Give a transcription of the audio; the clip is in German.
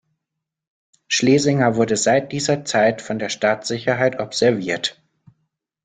Schlesinger wurde seit dieser Zeit von der Staatssicherheit observiert.